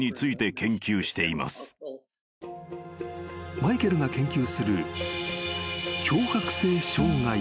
［マイケルが研究する］